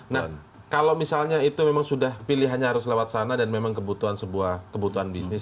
nah kalau misalnya itu memang sudah pilihannya harus lewat sana dan memang kebutuhan sebuah kebutuhan bisnis